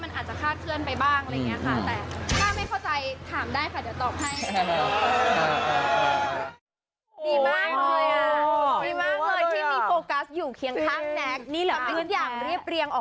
มันอาจจะได้ความเข้าใจที่มันอาจจะฆ่าเคลื่อนไปบ้าง